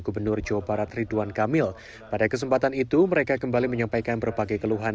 gubernur jawa barat ridwan kamil pada kesempatan itu mereka kembali menyampaikan berbagai keluhan